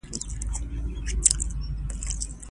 د رېنډر تنظیمات د فایل کیفیت ټاکي.